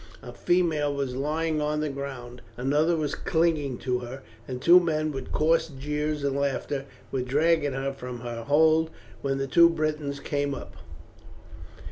A female was lying on the ground, another was clinging to her, and two men with coarse jeers and laughter were dragging her from her hold when the two Britons ran up.